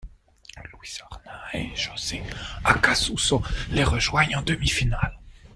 Luis Horna et José Acasuso les rejoignent en demi-finales.